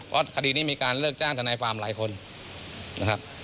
เพราะคดีนี้มีการเลิกจ้างทนายความหลายคนนะครับ